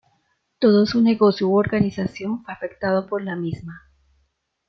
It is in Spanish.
Todo negocio u organización fue afectado por la misma.